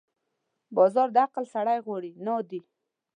بازار د عقل سړی غواړي، نه عادي.